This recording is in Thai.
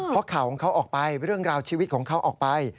เพราะข่าวของเขาออกไปเรื่องราวชีวิตของเขาออกไป